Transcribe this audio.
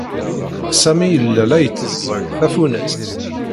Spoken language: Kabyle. Sami yella la itteẓẓeg tafunast.